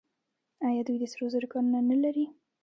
آیا دوی د سرو زرو کانونه نلري؟